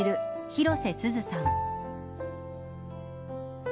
広瀬すずさん。